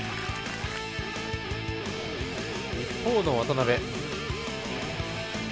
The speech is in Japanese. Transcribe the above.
一方の渡邉。